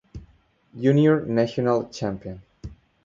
Junior National Champion.